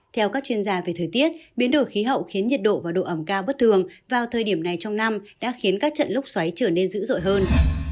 theo các chuyên gia về thời tiết biến đổi khí hậu khiến nhiệt độ và độ ẩm cao bất thường vào thời điểm này trong năm đã khiến các trận lốc xoáy trở nên dữ dội hơn